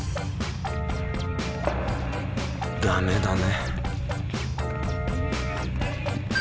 ダメだね。